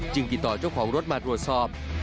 ติดต่อเจ้าของรถมาตรวจสอบ